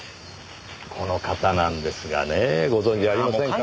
この方なんですがねご存じありませんかね？